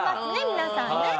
皆さんね。